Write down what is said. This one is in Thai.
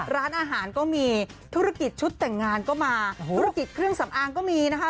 ร้านอาหารก็มีธุรกิจชุดแต่งงานก็มาธุรกิจเครื่องสำอางก็มีนะคะ